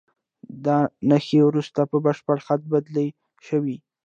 دا نښې وروسته په بشپړ خط بدلې شوې.